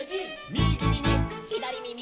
「みぎみみ」「ひだりみみ」